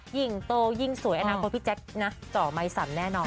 หญิงโตยิ่งสวยอันนั้นเพราะพี่แจ๊ะนะจ่อไมสันแน่นอน